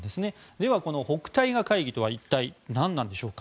では、この北戴河会議とは一体、なんでしょうか。